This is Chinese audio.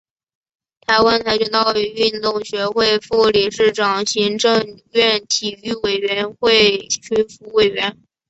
台湾跆拳道运动学会副理事长行政院体育委员会训辅委员